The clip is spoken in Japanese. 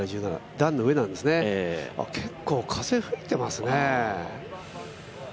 段の上なんですね、結構風が吹いていますね。